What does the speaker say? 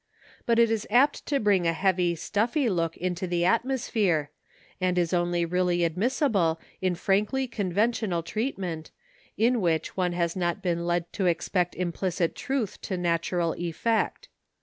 But it is apt to bring a heavy stuffy look into the atmosphere, and is only really admissible in frankly conventional treatment, in which one has not been led to expect implicit truth to natural effect.